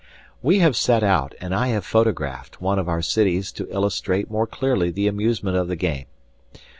We have set out and I have photographed one of our cities to illustrate more clearly the amusement of the game.